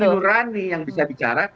nurani yang bisa bicara